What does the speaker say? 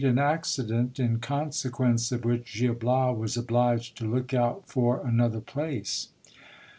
— An accident, in consequence of which Gil Bias was obliged to look out for another place.